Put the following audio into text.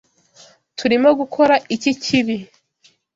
Turimo gukora iki kibi.